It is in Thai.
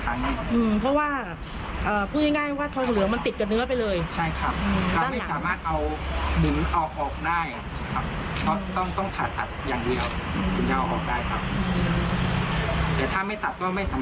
ถ้าสมมุติว่ารู้สึกว่าเริ่มคับเริ่มแน่นแล้วก็ขอให้ถอดออกดีกว่า